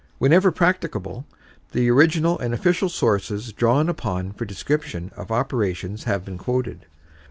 Whenever practicable the original and official sources drawn upon for description of operations have been quoted.